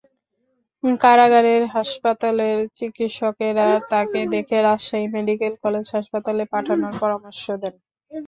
কারাগারের হাসপাতালের চিকিৎসকেরা তাঁকে দেখে রাজশাহী মেডিকেল কলেজ হাসপাতালে পাঠানোর পরামর্শ দেন।